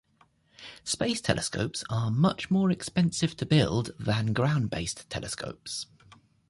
Space telescopes are much more expensive to build than ground-based telescopes.